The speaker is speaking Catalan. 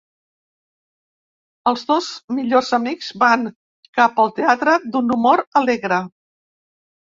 Els dos millors amics van cap al teatre d'un humor alegre.